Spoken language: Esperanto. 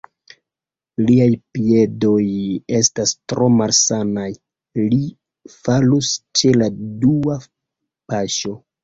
Liaj piedoj estas tro malsanaj: li falus ĉe la dua paŝo.